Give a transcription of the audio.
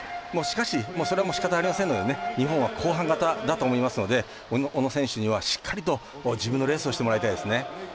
しかし、それはもう仕方ありませんので日本は後半型だと思いますので小野選手には、しっかりと自分のレースをしてもらいたい。